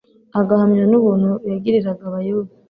agahamywa n'ubuntu yagiriraga abayuda,